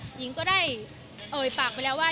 หญิงก็ได้เอ่ยปากไปแล้วว่า